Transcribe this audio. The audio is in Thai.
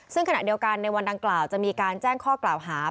ซึ่งขณะเดียวกันในวันดังกล่าวจะมีการแจ้งข้อกล่าวหา